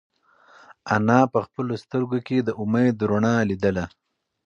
انا په خپلو سترگو کې د امید رڼا لیدله.